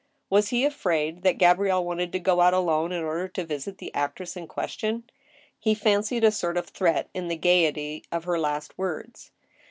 Was be afraid that Gabrielle wanted to go out alone in order to visit the actress in question ? He fancied a sort of threat in the gayety of her last words.